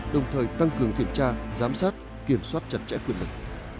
đồng thời tăng cường kiểm tra giám sát kiểm soát chặt chẽ quyền lực